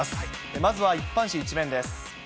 まずは一般紙一面です。